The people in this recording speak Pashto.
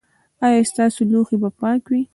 ایا ستاسو لوښي به پاک وي؟